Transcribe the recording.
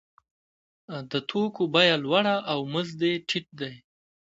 د توکو بیه لوړه او مزد یې ټیټ دی